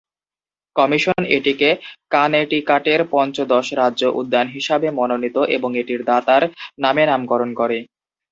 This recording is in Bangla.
কমিশন এটিকে কানেটিকাটের পঞ্চদশ রাজ্য উদ্যান হিসাবে মনোনীত এবং এটির দাতার নামে নামকরণ করে।